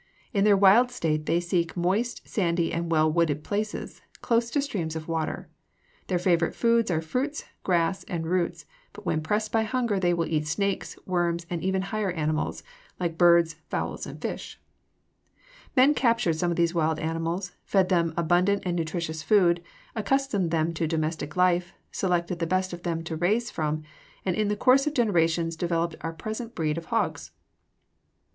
In their wild state they seek moist, sandy, and well wooded places, close to streams of water. Their favorite foods are fruits, grass, and roots, but when pressed by hunger they will eat snakes, worms, and even higher animals, like birds, fowls, and fish. [Illustration: FIG. 255. WHICH WILL YOU RAISE?] Man captured some of these wild animals, fed them abundant and nutritious food, accustomed them to domestic life, selected the best of them to raise from, and in the course of generations developed our present breeds of hogs.